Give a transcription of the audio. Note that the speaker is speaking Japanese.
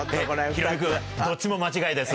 ヒロミ君どっちも間違いです。